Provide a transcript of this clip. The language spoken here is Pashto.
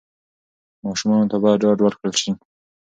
ماشومانو ته باید ډاډ ورکړل سي.